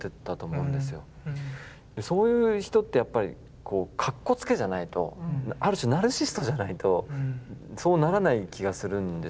そういう人ってやっぱりかっこつけじゃないとある種ナルシストじゃないとそうならない気がするんですよね。